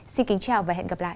xin kính chào và hẹn gặp lại